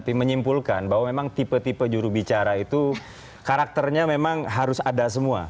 tapi menyimpulkan bahwa memang tipe tipe jurubicara itu karakternya memang harus ada semua